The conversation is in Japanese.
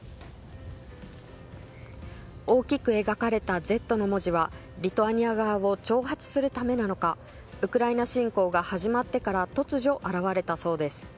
大きく描かれた「Ｚ」の文字はリトアニア側を挑発するためなのかウクライナ侵攻が始まってから突如現れたそうです。